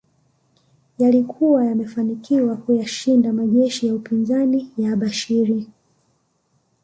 Yalikuwa yamefanikiwa kuyashinda majeshi ya upinzani ya Abushiri